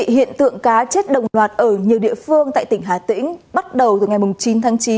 hiện tượng cá chết đồng loạt ở nhiều địa phương tại tỉnh hà tĩnh bắt đầu từ ngày chín tháng chín